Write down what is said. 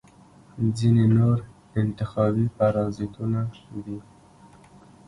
ځینې نور انتخابي پرازیتونه دي.